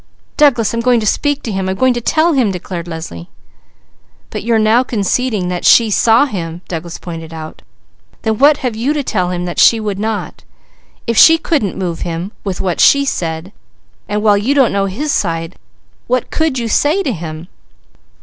"Douglas, I'm going to speak to him. I'm going to tell him!" declared Leslie. "But you're now conceding that she saw him!" Douglas pointed out. "Then what have you to tell him that she would not? If she couldn't move him with what she said, and while you don't know his side, what could you say to him?"